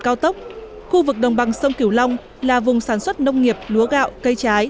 cao tốc khu vực đồng bằng sông kiểu long là vùng sản xuất nông nghiệp lúa gạo cây trái